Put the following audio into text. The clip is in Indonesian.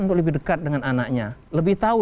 untuk lebih dekat dengan anaknya lebih tahu